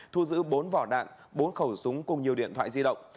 thu giữ bốn vỏ đạn bốn khẩu súng cùng nhiều điện thoại di động